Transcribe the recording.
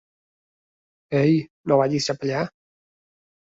Ei, no vagis cap allà!